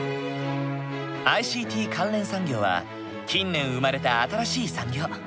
ＩＣＴ関連産業は近年生まれた新しい産業。